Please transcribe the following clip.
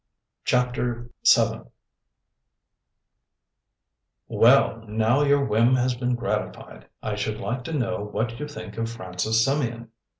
CHAPTER VII "Well, now your whim has been gratified, I should like to know what you think of Francis Symeon?"